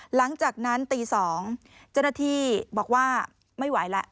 หลังจากนั้นตี๒เจ้าหน้าที่บอกว่าไม่ไหวแล้ว